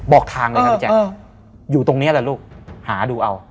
บอกทางเลยครับพี่แจ๊คอยู่ตรงนี้แหละลูกหาดูเอา